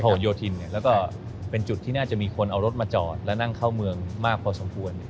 หนโยธินแล้วก็เป็นจุดที่น่าจะมีคนเอารถมาจอดและนั่งเข้าเมืองมากพอสมควร